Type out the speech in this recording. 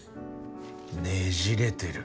ねじれてる。